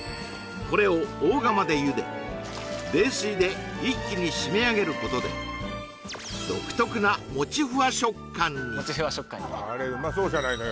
これを大釜でゆで冷水で一気に締めあげることで独特なモチフワ食感にあれうまそうじゃないのよ